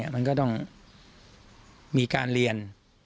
มันก็ต้องมีการเรียน